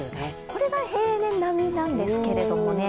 これが平年並みなんですけれどもね。